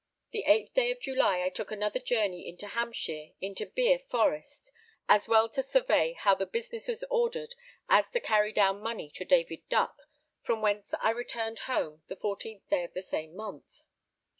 The 8th day of July I took another journey into Hampshire into Bere forest, as well to survey how the business was ordered as to carry down money to David Duck; from whence I returned home the 14th day of the same month.